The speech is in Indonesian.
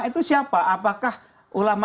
itu siapa apakah ulama